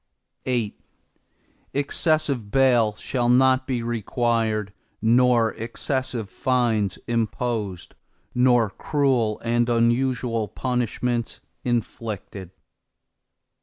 VIII Excessive bail shall not be required nor excessive fines imposed, nor cruel and unusual punishments inflicted.